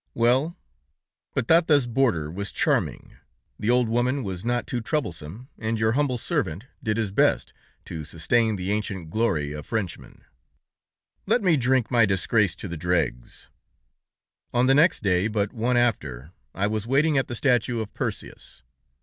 "Well, Patata's boarder was charming, the old woman was not too troublesome, and your humble servant did his best to sustain the ancient glory of Frenchmen. "Let me drink my disgrace to the dregs! On the next day but one after, I was waiting at the statue of Perseus.